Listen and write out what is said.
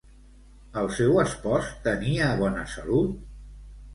El seu espòs tenia bona salut?